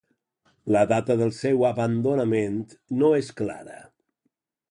La data del seu abandonament no és clara.